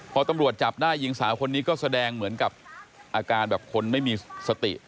พอตำรวจจับได้หญิงสาวคนนี้ก็แสดงเหมือนกับอาการแบบคนไม่มีสติ